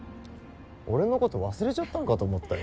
俺のこと忘れちゃったのかと思ったよ。